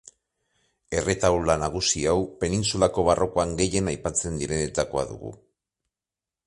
Erretaula nagusi hau penintsulako barrokoan gehien aipatzen direnetakoa dugu.